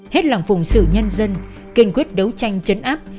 hết lòng phùng sự nhân dân kiên quyết đấu tranh chấn áp